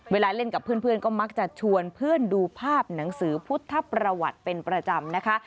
เล่นกับเพื่อนก็มักจะชวนเพื่อนดูภาพหนังสือพุทธประวัติเป็นประจำนะคะ